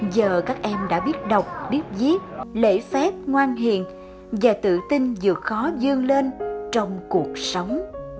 giờ các em đã biết đọc biết viết lễ phép ngoan hiền và tự tin vượt khó dương lên trong cuộc sống